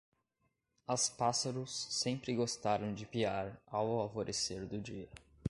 as pássaros sempre gostaram de piar ao alvorecer do dia